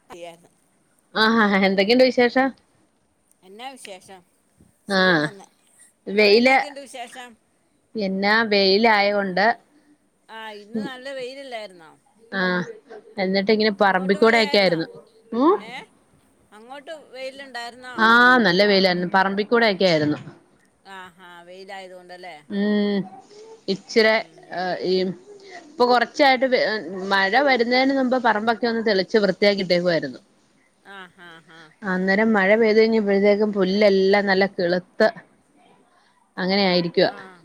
[unintelligible] ആഹാ ആ എന്തൊക്കെയുണ്ട് വിശേഷം? എന്നാ വിശേഷം സുഖൊന്നു ആഹ് അല്ല. വെയില് അവിടെഎന്നാക്കെണ്ട് വിശേഷം? എന്നാ വെയിലായോണ്ട്. ആഹ് ഇന്ന് നല്ല വെയിലല്ലായിരുന്നോ. ആഹ് എന്നിട്ട് ഇങ്ങനെ മഴയായിരുന്നോ പറമ്പിക്കൂടെയക്കായിരുന്നു ഊ. ഏ അങ്ങോട്ട് വെയിലുണ്ടായി ആഹ് നല്ല വെയിലായിരുന്നു. പറമ്പിക്കൂടെയക്കെ ആയിരുന്നു. ആഹാ വെയിലായതുകൊണ്ടല്ലേ ഉം ഇച്ചിരി ഉം. ഏഹ് ഈമ് ഇപ്പൊ കൊറ്ച്ചായിട്ട് ഏഹ് മഴ വരുന്നേന് മുമ്പ് പറമ്പൊക്കെ ഒന്ന് തെളിച്ച് വൃത്തിയാക്കി ഇട്ടേക്കുവായിരുന്നു [inaudible] ആഹ് ഹാ ഹാ അന്നേരം മഴ പെയ്തു കഴിഞ്ഞപ്പോഴത്തേക്കും പുല്ലെല്ലാം നല്ല കിളുത്ത് അങ്ങനെ ആയിരി ആഹ്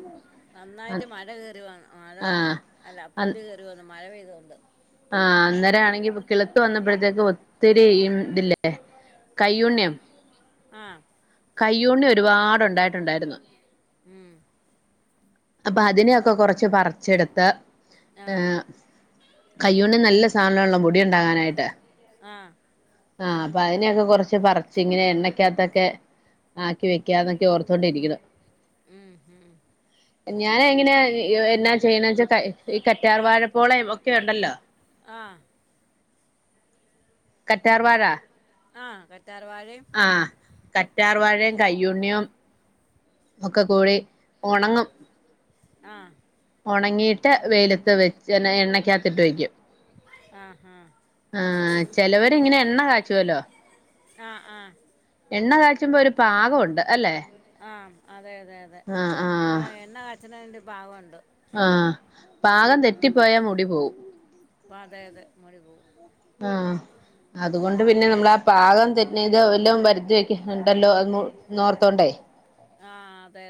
നന്നായിട്ട് മഴ കേറി വ മഴ വന്ന് അല്ല ആഹ് പുല്ല് ര് വന്ന് മഴ പെയ്തോണ്ട് ആഹ് അന്നേര ആണെങ്കി ഇപ കിളിത്തു വന്നപ്പഴത്തേക്കും ഒത്തിരി ഇമ് ഇതില്ലെ ആ കയ്യുണ്ണ്യൊ ആ കയ്യുണ്ണി ഒരുപാടു ഉണ്ടായിട്ടുണ്ടായിരുന്നു ഉം അപ്പ അതിനെയൊക്ക കൊറച്ച് പറിച്ചെടുത്ത് ആ ഏഹ് കയ്യുണ്ണി നല്ല സാധനാണലൊ മുടി ഉണ്ടാകാനായിട്ട് ആ ആഹ് അപ്പൊ അതിനെയൊക്കെ കൊറച്ച് പറിച്ച് ഇങ്ങനെ എണ്ണക്കകത്തൊക്കെ ആക്കി വെക്കാന്നൊക്കെ ഓർത്തോണ്ടിരിക്ക്ണു ഉം, ഉം. ഞാന് എങ്ങനെ എന്നാ ചെയ്യ്ണ വെച്ച ഈ കറ്റാർ വാഴ പോളെ ഒക്കെ ഉണ്ടല്ലൊ ആഹ് കറ്റാർവാഴ ആഹ് കറ്റാർവാഴീം ആഹ് കറ്റാർവാഴീം, കൈയുണ്ണിയും ഒക്ക കൂടി ഒണങ്ങും ആഹ് ഓണങ്ങീട്ട് വെയിലത്ത് വെച്ച് എണ്ണയ്ക്കകത്തിട്ട് വെക്കും ആഹ് ഹാ ആഹ് ചെലോര് ഇങ്ങന എണ്ണ കാച്ചുവല്ലൊ ആഹ് ആഹ് എണ്ണ കാച്ചുമ്പൊ ഒരു പാകവുണ്ട് അല്ലെ ആഹ് അതെ അതെ അതെ ആ ആ ആഹ് എണ്ണ കാച്ചുന്നതിന്റെ പാകമുണ്ട് ആഹ് പാകം തെറ്റിപ്പോയ മുടി പോവും അതേ അതേ മുടി പോവും ആഹ് അതുകൊണ്ട് പിന്ന നമ്മള ആഹ് പാകം തെറ്റ ഇത് എല്ലാം വരുത്തി വെക്കുന്നുണ്ടല്ലൊ ന്നോർത്തോണ്ടെ ആഹ് അതേ